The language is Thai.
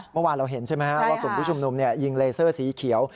เมื่อวานเราเห็นใช่ไหมว่ากลุ่มผู้ชุมนุมยิงเลเซอร์สีเขียว